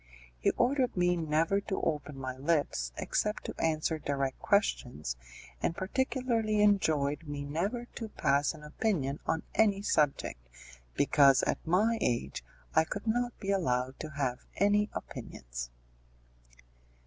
He ordered me never to open my lips except to answer direct questions, and particularly enjoined me never to pass an opinion on any subject, because at my age I could not be allowed to have any opinions.